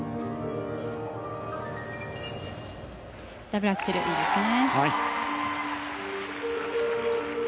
ダブルアクセルいいですね。